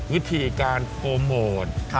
วิธีการโปรโมท